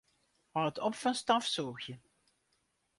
Hâld op fan stofsûgjen.